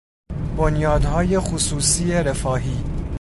بنیادهای خصوصی رفاهی